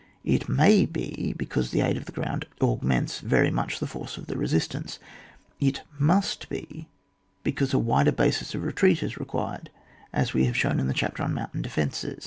It may he because the aid of the ground augments very much the force of the resistance; it must he because a wider basis of re treat is required, as we have shown in the chapter on mountain defences.